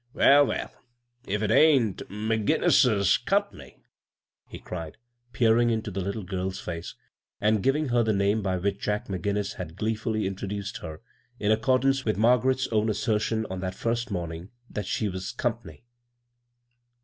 "Well, well, if it ain't McGinnis's 'com p'ny ' 1 " he cried, peering into the little girl's face, and giving her the name by which Jack McGinnis had gleefully introduced her, in ac cordance with Margaret's own assertion on that first morning that she was " comp'ny."